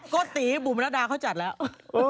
แท็กโก๊ตตีบุมนาดาเขาจัดแล้ว